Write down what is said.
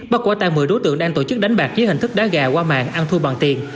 bắt quả tàn một mươi đối tượng đang tổ chức đánh bạc với hình thức đá gà qua mạng ăn thu bằng tiền